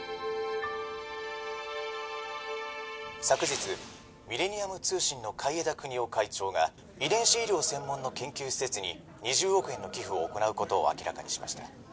昨日ミレニアム通信の海江田国男会長が遺伝子医療専門の研究施設に２０億円の寄付を行なうことを明らかにしました。